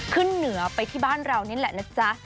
ขึ้นเหนือไปที่บ้านเรานี่แหละนะจ๊ะ